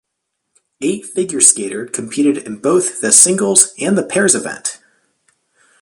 Eight figure skater competed in both the singles and the pairs event.